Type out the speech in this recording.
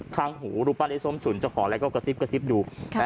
คลังหูรูปะไอ้ส้มฉุนจะขออะไรก็กระซิบดู